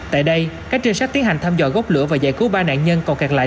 tại đây các trinh sát tiến hành thăm dò gốc lửa và giải cứu ba nạn nhân còn kẹt lại